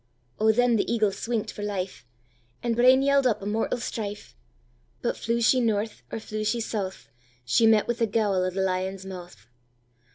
O, then the eagle swink'd for life, And brainzell'd up a mortal strife; But flew she north, or flew she south, She met wi' the gowl o' the lion's mouth.